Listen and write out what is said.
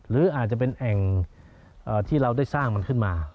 หรืออาจจะเป็นแอ่งที่เราได้สร้างมันขึ้นมา